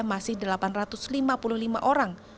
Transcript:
masih delapan ratus lima puluh lima orang